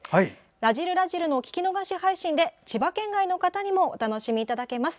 「らじる★らじる」の聴き逃し配信で千葉県外の方にもお楽しみいただけます。